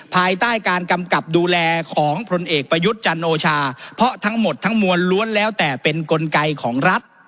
ภายใต้การกำกับดูแลของผลเอกประยุทธ์จันโอชาเพราะทั้งหมดทั้งมวลล้วนแล้วแต่เป็นกลไกของรัฐ